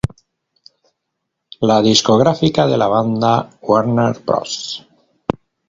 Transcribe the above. La discográfica de la banda, Warner Bros.